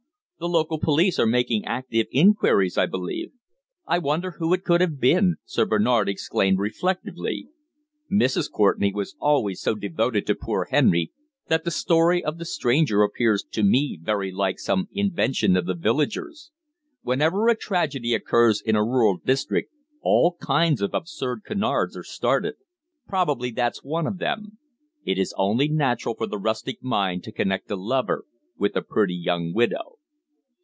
"The local police are making active inquiries, I believe." "I wonder who it could have been?" Sir Bernard exclaimed reflectively. "Mrs. Courtenay was always so devoted to poor Henry, that the story of the stranger appears to me very like some invention of the villagers. Whenever a tragedy occurs in a rural district all kinds of absurd canards are started. Probably that's one of them. It is only natural for the rustic mind to connect a lover with a pretty young widow."